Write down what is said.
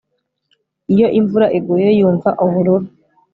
Iyo imvura iguye yumva ubururu